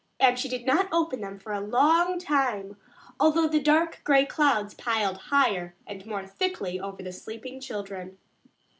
And she did not open them for a long time, although the dark gray clouds piled higher and more thickly over the sleeping children.